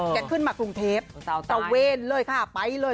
ขึ้นมากรุงเทพตะเวนเลยค่ะไปเลย